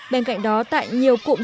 bên cạnh đó tại nhiều cụm dạy